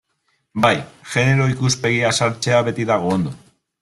Bai, genero ikuspegia sartzea beti dago ondo.